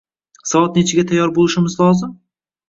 Soat nechiga tayyor bo'lishimiz lozim?